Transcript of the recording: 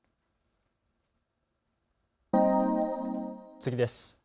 次です。